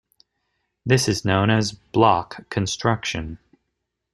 This is known as "block construction".